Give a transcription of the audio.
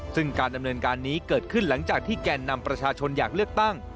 ซึ่งการดำเนินการนี้เกิดขึ้นหลังจากที่แก่นำประชาชนอยากเลือกตั้ง